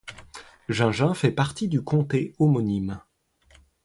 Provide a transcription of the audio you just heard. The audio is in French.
Gingin fait partie du comté homonyme.